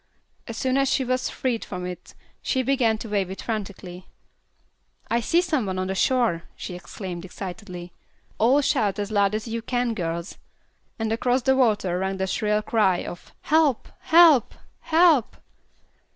As soon as she was freed from it she began to wave it frantically. "I see some one on shore," she exclaimed, excitedly. "All shout as loud as you can, girls;" and across the water rang the shrill cry of "Help! Help! Help!"